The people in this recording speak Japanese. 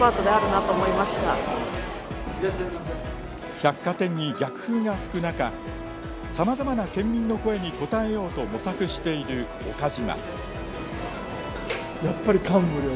百貨店に逆風が吹く中さまざまな県民の声に応えようと模索している岡島。